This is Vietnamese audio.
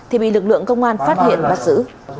huyện bắt giữ